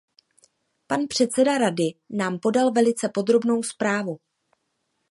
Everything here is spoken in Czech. Pan předseda Rady nám podal velice podrobnou zprávu.